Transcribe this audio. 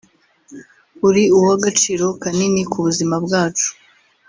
uri uw’agaciro kanini ku buzima bwacu